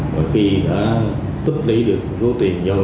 và khi đã tích lý được số tiền do người vay đó